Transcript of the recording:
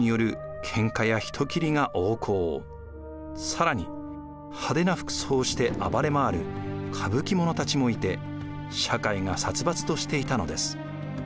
更に派手な服装をして暴れ回るかぶき者たちもいて社会が殺伐としていたのです。